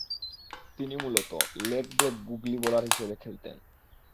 তিনি মূলতঃ leg break googly bowler হিসেবে খেলতেন।